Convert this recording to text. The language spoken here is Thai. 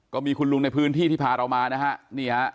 ก็มีคุณลุงในพื้นที่ที่พาเรามานะฮะนี่ฮะ